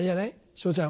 昇ちゃん